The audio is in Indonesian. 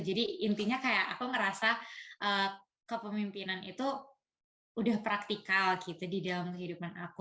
jadi intinya kayak aku ngerasa kepemimpinan itu udah praktikal gitu di dalam kehidupan aku